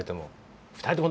２人とも。